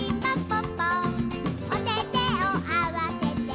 ぽっぽおててをあわせて」